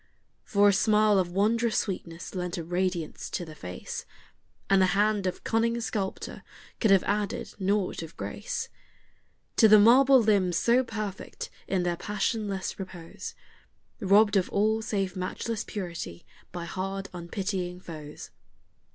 For a smile of wondrous sweetness lent a radiance to the face, And the hand of cunning sculptor could have added naught of grace To the marble limbs so perfect in their passionless repose, Robbed of all save matchless purity by hard, unpitying foes.